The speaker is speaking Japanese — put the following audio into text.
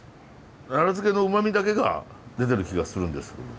なら漬のうまみだけが出てる気がするんですけど。